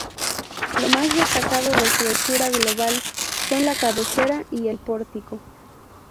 Lo más destacado de su hechura global son la cabecera y el pórtico.